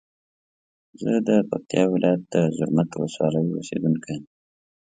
زه د پکتیا ولایت د زرمت ولسوالی اوسیدونکی یم.